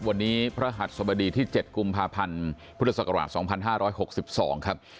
วันนี้พระหัสสบดีที่๗กุมภาพันธ์พุทธศักราช๒๕๖๒ครับ